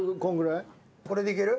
これでいける？